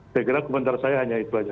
saya kira komentar saya hanya itu saja